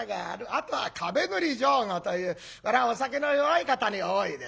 あとは壁塗り上戸というこれはお酒の弱い方に多いですね。